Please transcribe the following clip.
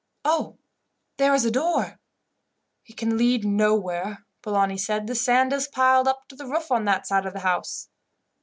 "Oh! there is a door." "It can lead nowhere," Polani said. "The sand is piled up to the roof on that side of the house."